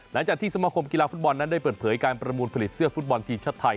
หลังจากที่สมคมกีฬาฟุตบอลนั้นได้เปิดเผยการประมูลผลิตเสื้อฟุตบอลทีมชาติไทย